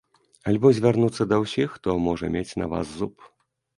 Альбо звярнуцца да ўсіх, хто можа мець на вас зуб.